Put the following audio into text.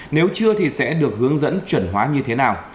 nếu chưa thì sẽ được hướng dẫn chuẩn hóa như thế nào